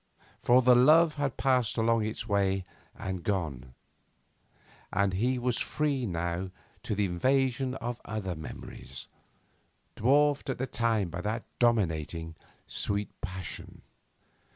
For the love had passed along its way and gone, and he was free now to the invasion of other memories, dwarfed at the time by that dominating, sweet passion.